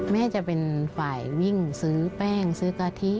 แม่จะเป็นฝ่ายวิ่งซื้อแป้งซื้อกะทิ